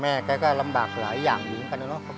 แม่เขาก็ลำบากหลายอย่างอยู่งั้นเนอะ